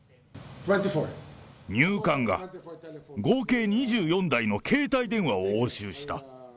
入管が、合計２４台の携帯電話を押収した。